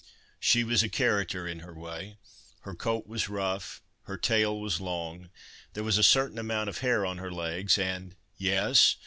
She was a character in her way. Her coat was rough, her tail was long, there was a certain amount of hair on her legs, and yes!